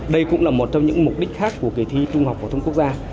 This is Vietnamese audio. đây cũng là một trong những mục đích khác của kỳ thi trung học phổ thông quốc gia